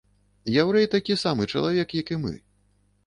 Яўрэй такі самы чалавек, як і мы.